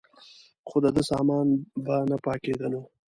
خو دده سامان به نه پاکېدلو.